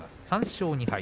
３勝２敗。